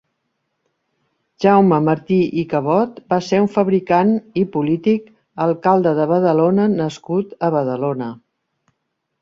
Jaume Martí i Cabot va ser un fabricant i polític, alcalde de Badalona nascut a Badalona.